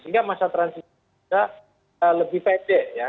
sehingga masa transisional juga lebih pede ya